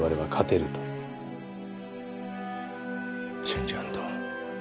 チェンジアンド。